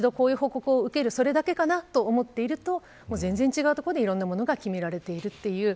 月に一度こういう報告を受けるそれだけかなと思っていると全然違うところでいろんなものが決まっている。